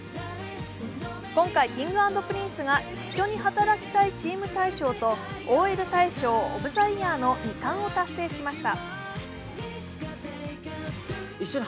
今回Ｋｉｎｇ＆Ｐｒｉｎｃｅが一緒に働きたいチーム大賞とＯＬ大賞ｏｆｔｈｅｙｅａｒの２冠を達成しました。